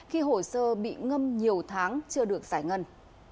khi hồ sơ bị ngâm nhiều tháng chưa được giải ngân